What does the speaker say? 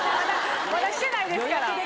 まだしてないですから。